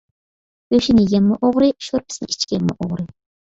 گۆشنى يىگەنمۇ ئوغرى، شورپىسىنى ئىچكەنمۇ ئوغرى.